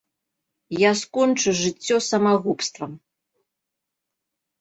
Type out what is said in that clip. Я скончу жыццё самагубствам.